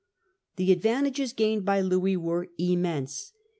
The advantages gained by Louis were immense.